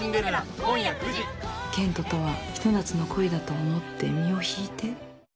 健人とはひと夏の恋だと思って身を引いて？